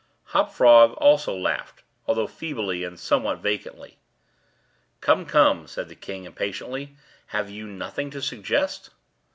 Hop Frog also laughed, although feebly and somewhat vacantly. "Come, come," said the king, impatiently, "have you nothing to suggest?"